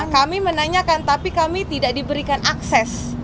kami menanyakan tapi kami tidak diberikan akses